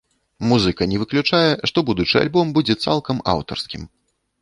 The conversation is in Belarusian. Музыка не выключае, што будучы альбом будзе цалкам аўтарскім.